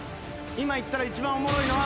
今いったら一番おもろいのは。